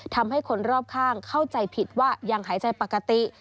ทำให้คนรอบข้างเข้าใจผิดว่ายังหายใจปกติ